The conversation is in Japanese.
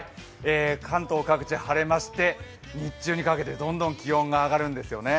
関東各地、晴れまして日中にかけてどんどん気温が上がるんですよね。